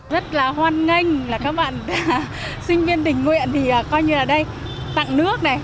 rất là hoan nghênh là các bạn sinh viên tình nguyện thì coi như ở đây tặng nước này